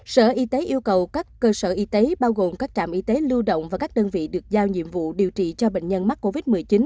sở y tế yêu cầu các cơ sở y tế bao gồm các trạm y tế lưu động và các đơn vị được giao nhiệm vụ điều trị cho bệnh nhân mắc covid một mươi chín